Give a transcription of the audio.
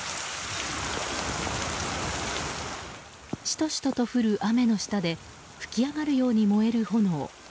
シトシトと降る雨の下で噴き上がるように燃える炎。